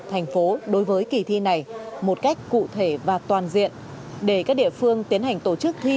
thành phố đối với kỳ thi này một cách cụ thể và toàn diện để các địa phương tiến hành tổ chức thi